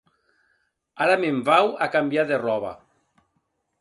Ara me'n vau a cambiar de ròba.